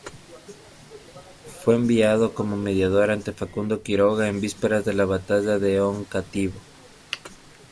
Fue enviado como mediador ante Facundo Quiroga en vísperas de la batalla de Oncativo.